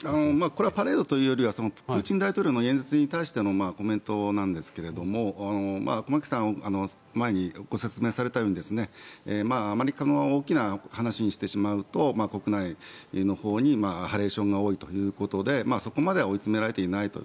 これはパレードというよりはプーチン大統領の演説に対してのコメントなんですが駒木さんが前にご説明されたようにあまり大きな話にしてしまうと国内のほうにハレーションが多いということでそこまでは追い詰められていないと。